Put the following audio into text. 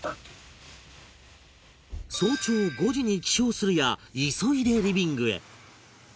早朝５時に起床するや急いでリビングへ